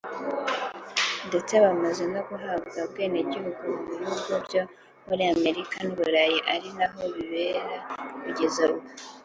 ndetse bamaze no guhabwa ubwenegihugu mu bihugu byo muri Amerika n’u Burayi ari naho bibera kugeza ubu